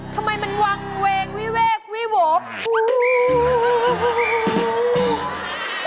ทำไมมันวางเวงวิเวกวิโหว